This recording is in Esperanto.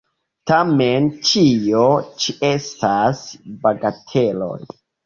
Tamen, ĉio ĉi estas bagateloj!